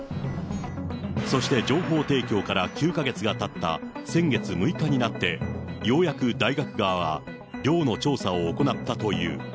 そして情報提供から９か月がたった先月６日になって、ようやく大学側は寮の調査を行ったという。